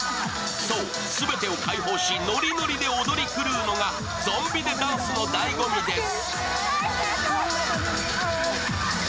そう、全てを解放しノリノリで踊り狂うのがゾンビ・デ・ダンスのだいご味です。